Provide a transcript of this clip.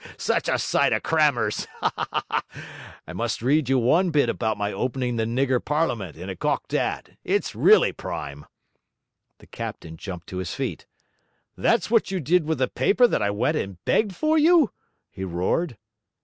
Such a sight of crammers! I must read you one bit about my opening the nigger parliament in a cocked 'at. It's really prime.' The captain jumped to his feet. 'That's what you did with the paper that I went and begged for you?' he roared.